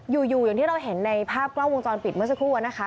อยู่อย่างที่เราเห็นในภาพกล้องวงจรปิดเมื่อสักครู่อะนะคะ